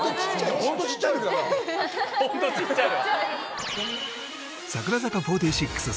ホント小っちゃいわ。